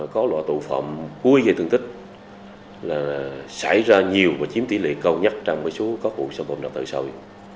có lọ tụ phẩm cuối dây thương tích là xảy ra nhiều và chiếm tỷ lệ câu nhất trong số các vụ xâm phẩm đặc tự xôi